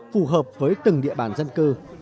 phù hợp với từng địa bàn dân cư